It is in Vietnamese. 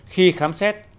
khi khám xét